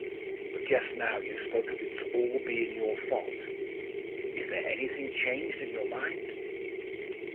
But just now you spoke of its all being your fault. Is there anything changed in your mind?"